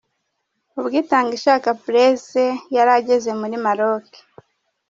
Ubwo Itangishaka Blaise yari ageze muri Maroc .